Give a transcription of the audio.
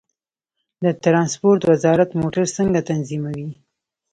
د ترانسپورت وزارت موټر څنګه تنظیموي؟